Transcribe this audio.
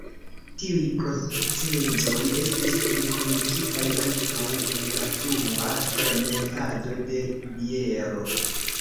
Tiuj procezoj estis enkondukitaj ankaŭ en la frua fermentado de biero.